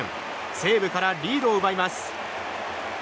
西武からリードを奪います。